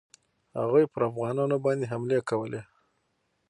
هغوی پر افغانانو باندي حملې کولې.